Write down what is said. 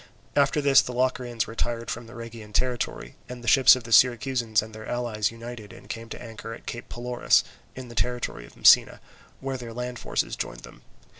After this the Locrians retired from the Rhegian territory, and the ships of the Syracusans and their allies united and came to anchor at Cape Pelorus, in the territory of Messina, where their land forces joined them.